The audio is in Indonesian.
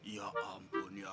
ya ampun ya robi